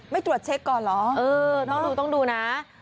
ไม่จอดเช็กก่อนเหรอต้องดูนะ